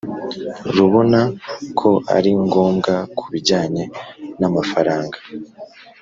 Rubona ko ari ngombwa ku bijyanye n amafaranga